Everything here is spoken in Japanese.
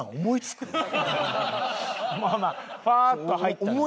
まあまあファーッと入ったね。